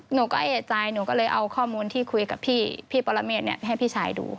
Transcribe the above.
หนูก็เอกใจหนูก็เลยเอาข้อมูลที่คุยกับพี่ปรเมฆให้พี่ชายดู